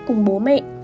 cùng bố mẹ